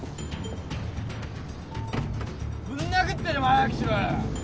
ぶん殴ってでも早くしろよ。